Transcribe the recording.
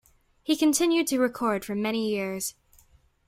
He continued to record for many years.